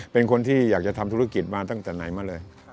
เป็นคนที่อยากจะทำธุรกิจมาตั้งแต่ไหนมาเลย